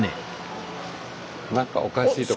なんかおかしいとこ。